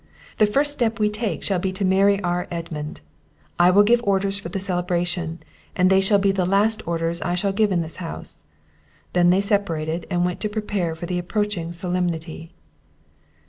The first step we take shall be to marry our Edmund; I will give orders for the celebration, and they shall be the last orders I shall give in this house." They then separated, and went to prepare for the approaching solemnity.